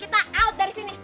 kita out dari sini